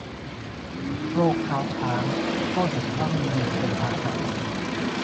โรคเท้าช้าง ก็เห็นว่ามียุงเป็นพาหะ